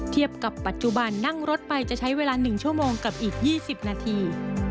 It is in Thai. เทียบกับปัจจุบันนั่งรถไปจะใช้เวลา๑ชั่วโมงกับอีก๒๐นาที